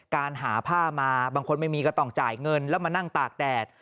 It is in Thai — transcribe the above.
การหาผ้ามาบางคนไม่มีก็ต้องจ่ายเงินแล้วมานั่งตากแดด